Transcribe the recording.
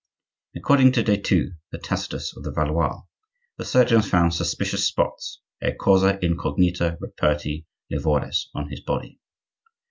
According to de Thou (the Tacitus of the Valois) the surgeons found suspicious spots—ex causa incognita reperti livores—on his body.